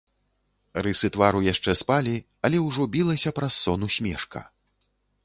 Рысы твару яшчэ спалі, але ўжо білася праз сон усмешка.